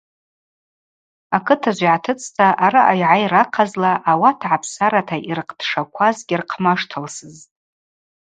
Акытыжв йгӏатыцӏта араъа йгӏайра ахъазла ауат гӏапсарата йырхътшакваз гьырхъмаштылсызтӏ.